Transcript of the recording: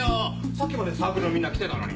さっきまでサークルのみんな来てたのに。